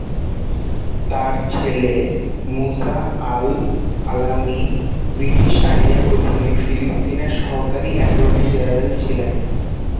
তার ছেলে মূসা আল-আলামি ব্রিটিশ আইনের অধীনে ফিলিস্তিনের সহকারী অ্যাটর্নি-জেনারেল ছিলেন।